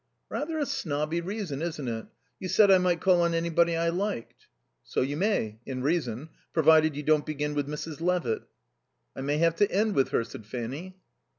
"Rather a snobby reason, isn't it? You said I might call on anybody I liked." "So you may, in reason, provided you don't begin with Mrs. Levitt." "I may have to end with her," said Fanny.